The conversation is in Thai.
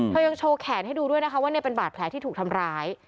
เธอยังโชว์แขนให้ดูด้วยนะคะว่าเป็นบาตแผลถูกทำร้าย